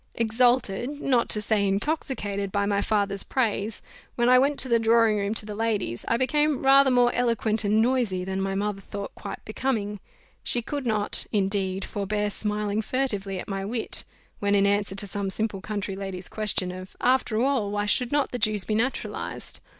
Exalted, not to say intoxicated, by my father's praise, when I went to the drawing room to the ladies, I became rather more eloquent and noisy than my mother thought quite becoming; she could not, indeed, forbear smiling furtively at my wit, when, in answer to some simple country lady's question of "After all, why should not the Jews be naturalized?"